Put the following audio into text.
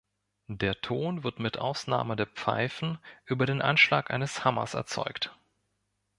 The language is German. Der Ton wird mit Ausnahme der Pfeifen über den Anschlag eines Hammers erzeugt.